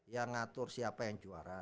yang ngatur siapa yang juara